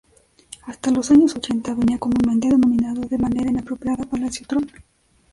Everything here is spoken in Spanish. Hasta a los años ochenta, venía comúnmente denominado de manera inapropiada Palacio Tron.